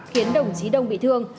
khiến đồng chí đông bị thương